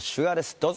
どうぞ。